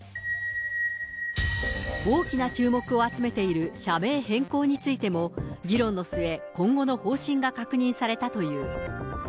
大きな注目を集めている社名変更についても、議論の末、今後の方針が確認されたという。